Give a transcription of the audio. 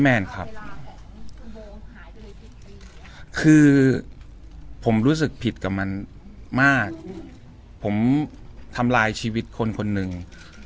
แมนครับคือผมรู้สึกผิดกับมันมากผมทำลายชีวิตคนคนหนึ่ง